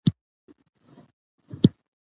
په لويديځ کې له پخوا نه